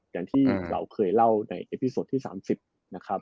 อย่างที่เราเคยเล่าในเอพิสดที่๓๐นะครับ